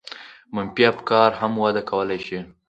منفي افکار هم وده کولای شي.